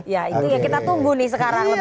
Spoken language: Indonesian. iya itu yang kita tunggu nih sekarang